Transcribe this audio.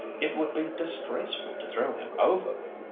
It would be disgraceful to throw him over."